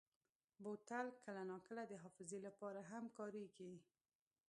بوتل کله ناکله د حافظې لپاره هم کارېږي.